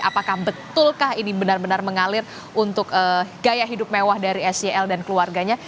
apakah betulkah ini benar benar mengalir untuk gaya hidup mewah dari sel dan keluarganya